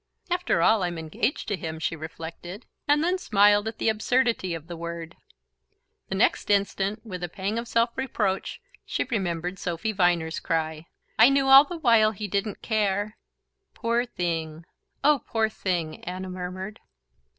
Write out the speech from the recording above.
"After all, I'm engaged to him," she reflected, and then smiled at the absurdity of the word. The next instant, with a pang of self reproach, she remembered Sophy Viner's cry: "I knew all the while he didn't care..." "Poor thing, oh poor thing!" Anna murmured...